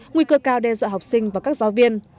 nguy cơ cao đe dọa học sinh và các giáo viên